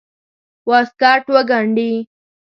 واسکټ وګنډي.